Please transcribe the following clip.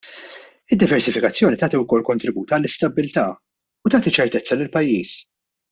Id-diversifikazzjoni tagħti wkoll kontribut għall-istabbiltà u tagħti ċertezza lill-pajjiż.